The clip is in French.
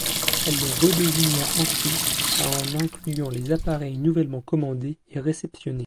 Elle les redésigna ensuite à en incluant les appareils nouvellement commandés et réceptionnés.